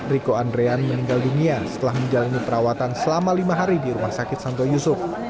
riko andrean meninggal dunia setelah menjalani perawatan selama lima hari di rumah sakit santo yusuf